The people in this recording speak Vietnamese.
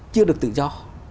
chưa được tự do